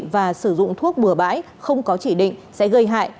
và sử dụng thuốc bừa bãi không có chỉ định sẽ gây hại